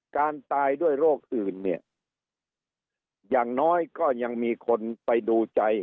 การตายด้วยโรคอื่นเนี่ยอย่างน้อยก็ยังมีคนไปดูใจ